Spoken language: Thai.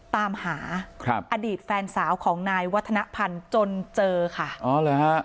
ตามหาอดีตแฟนสาวของนายวัฒนภัณฑ์จนเจอค่ะ